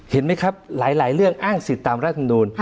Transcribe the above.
เห็นมั้ยครับหลายเรื่องอ้างศีลตามรัฐมนูล